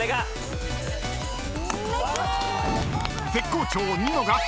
［絶好調ニノが］